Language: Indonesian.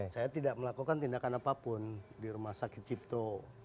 saya tidak melakukan tindakan apapun di rumah sakit cipto